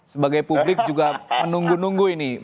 sebagai publik juga menunggu nunggu ini